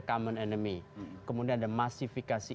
common enemy kemudian ada massifikasi